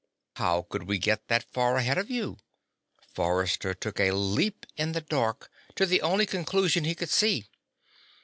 '" "How could we get that far ahead of you?" Forrester took a leap in the dark to the only conclusion he could see.